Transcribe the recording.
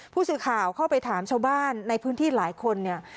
ผู้สื่อข่าวเข้าไปถามชาวบ้านในพื้นที่หลายคนเนี่ย